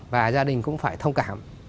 và gia đình cũng phải thông cảm